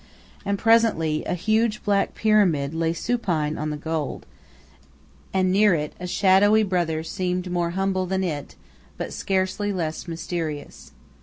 And presently a huge black Pyramid lay supine on the gold, and near it a shadowy brother seemed more humble than it, but scarcely less mysterious.